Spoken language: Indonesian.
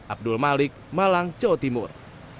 abdul malik malang jawa timur